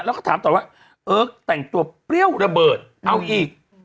แล้วก็ถามต่อว่าเอิร์กแต่งตัวเปรี้ยวระเบิดเอาอีก